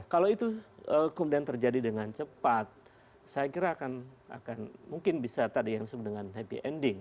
kalau itu kemudian terjadi dengan cepat saya kira akan mungkin bisa tadi yang disebut dengan happy ending